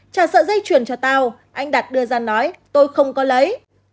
chả sợ dây chuyền cho tao anh đạt đưa ra nói tôi không có lấy